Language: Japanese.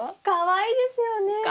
かわいいですよね。